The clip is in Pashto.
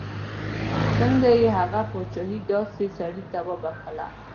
څنګه یې هغه پاچهي داسې سړي ته بخښله.